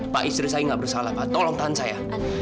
pak istri saya nggak bersalah pak tolong tahan saya